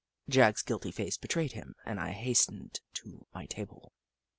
Jagg's guilty face betrayed him, and I hast ened to my table.